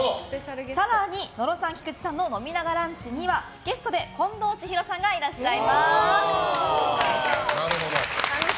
更に野呂さん＆菊地さんの飲みながランチではゲストで近藤千尋さんがいらっしゃいます。